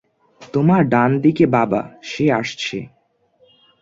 তোমার ডান দিকে বাবা, সে আসছে!